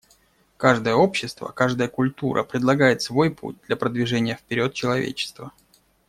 Каждое общество, каждая культура предлагает свой путь для продвижения вперед человечества.